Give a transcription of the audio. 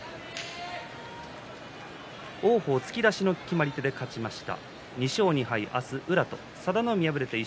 王鵬、突き出しの決まり手で勝ちました。